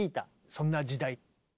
そんな時代。